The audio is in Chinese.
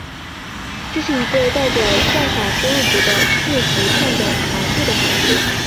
这是一个代表算法输入值的字符串的长度的函数。